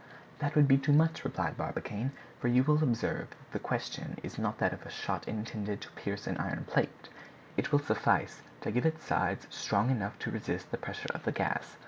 "That would be too much," replied Barbicane; "for you will observe that the question is not that of a shot intended to pierce an iron plate; it will suffice to give it sides strong enough to resist the pressure of the gas.